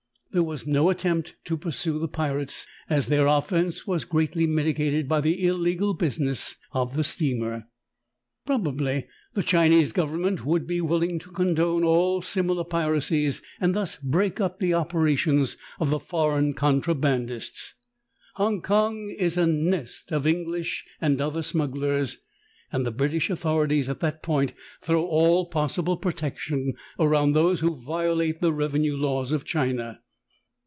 There was no attempt to pursue the pirates, as their offense was greatly mitigated by the illegal business of the steamer. Probably the Chinese government would be willing to condone all similar piracies and thus break up the operations of the foreign contra bandists. Hong Kong is a nest of English and other smugglers, and the British authorities at that point throw all possible protection around those who violate the revenue laws of China.